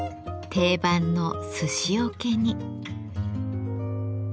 定番のすし桶に。